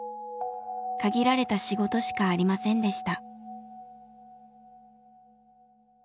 限られた仕事しかありませんでした。